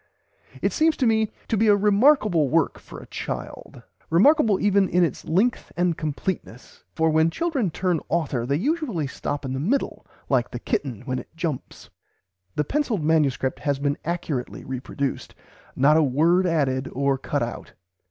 It seems to me to be a remarkable work [Pg xviii] for a child, remarkable even in its length and completeness, for when children turn author they usually stop in the middle, like the kitten when it jumps. The pencilled MS. has been accurately reproduced, not a word added or cut out.